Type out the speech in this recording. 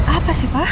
apa sih pak